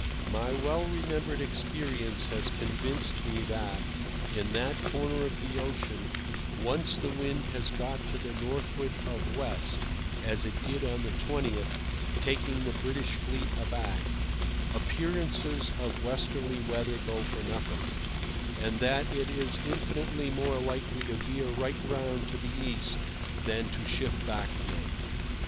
My well remembered experience has convinced me that, in that corner of the ocean, once the wind has got to the northward of west (as it did on the 20th, taking the British fleet aback), appearances of westerly weather go for nothing, and that it is infinitely more likely to veer right round to the east than to shift back again.